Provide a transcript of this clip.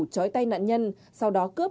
chói tay nạn nhân sau đó cướp